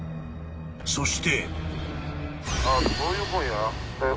［そして］